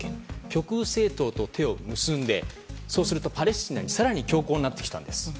極右政党と手を結んでそうすると、パレスチナにかなり強硬になってきたんです。